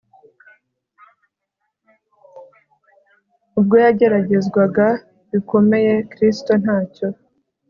Ubwo yageragezwaga bikomeye Kristo ntacyo